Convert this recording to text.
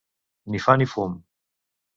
Ni fa, ni fum.